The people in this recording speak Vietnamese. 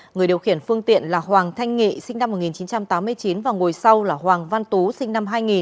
người điều khiển phương tiện là hoàng thanh nghị sinh năm một nghìn chín trăm tám mươi chín và ngồi sau là hoàng văn tú sinh năm hai nghìn